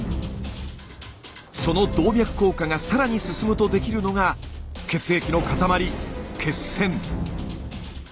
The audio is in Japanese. その動脈硬化が更に進むとできるのが血液の塊血栓。